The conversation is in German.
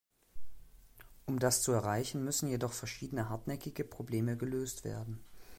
Um das zu erreichen, müssen jedoch verschiedene hartnäckige Probleme gelöst werden.